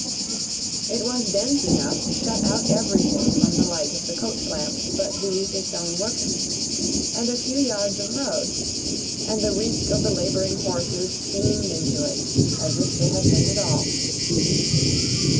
It was dense enough to shut out everything from the light of the coach lamps but these its own workings, and a few yards of road; and the reek of the labouring horses steamed into it, as if they had made it all.